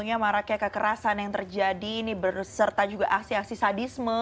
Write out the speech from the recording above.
misalnya maraknya kekerasan yang terjadi ini berserta juga aksi aksi sadisme